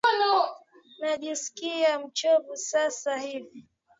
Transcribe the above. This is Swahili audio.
Najiskia mchovu sasa hivi.